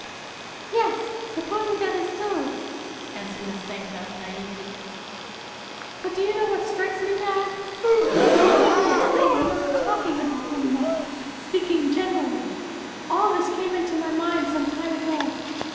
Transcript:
:< Yes, supposing that is so," answered Nastenka naively. " But do you know what strikes me now ? Only I am not talking about him now, but speaking generally; all this came into my mind some time ago.